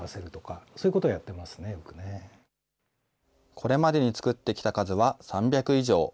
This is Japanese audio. これまでに作ってきた数は３００以上。